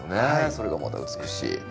それがまた美しい。